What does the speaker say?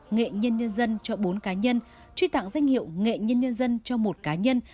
nghệ nhân nhân dân cho bốn cá nhân truy tặng danh hiệu nghệ nhân nhân dân cho một cá nhân